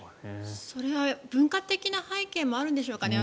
それは文化的な背景もあるんでしょうかね。